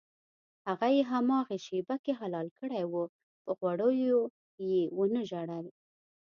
هغه یې هماغې شېبه کې حلال کړی و په غوړیو یې ونه ژړل.